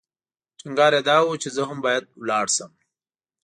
ټینګار یې دا و چې زه هم باید لاړ شم.